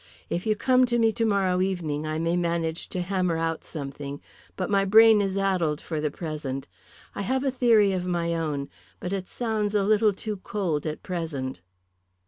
If you come to me tomorrow evening I may manage to hammer out something, but my brain is addled for the present. I have a theory of my own, but it sounds a little too cold at present."